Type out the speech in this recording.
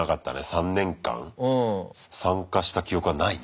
３年間参加した記憶はないね。